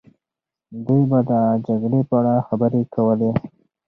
دوی به د جګړې په اړه خبرې کولې.